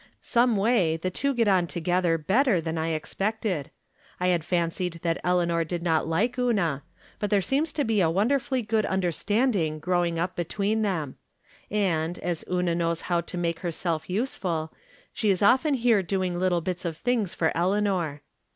Someway the two get on together better than I expected. I had fancied that Eleanor did not like Una, but there seems to be a wonderfully good understanding growing up between them ; and, as Una knows how to make herself useful, she is often here doing little bits of things for El eanor.